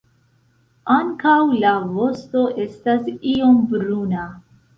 Ankaŭ la vosto estas iom bruna.